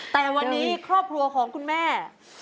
แต่วันนี้ครอบครัวของคุณแม่